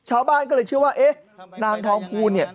ชาวบ้านก็เลยเชื่อว่าเอ๊ะนางทองภูลเนี่ย